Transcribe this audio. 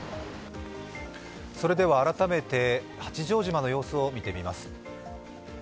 改めて八丈島の様子を見てみます。